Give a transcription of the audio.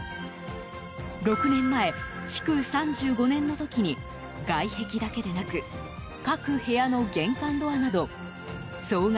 ６年前、築３５年の時に外壁だけでなく各部屋の玄関ドアなど総額